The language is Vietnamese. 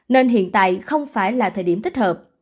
nên hiện tại không phải là thời điểm thích hợp